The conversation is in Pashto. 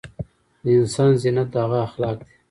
د انسان زينت د هغه اخلاق دي